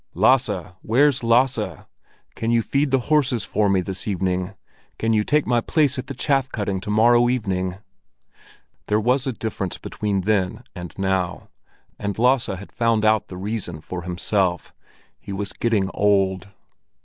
"Lasse! Where's Lasse? Can you feed the horses for me this evening? Can you take my place at the chaff cutting to morrow evening?" There was a difference between then and now, and Lasse had found out the reason for himself: he was getting old.